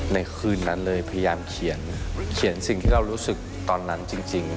ในคืนนั้นเลยพยายามเขียนสิ่งที่เรารู้สึกตอนนั้นจริง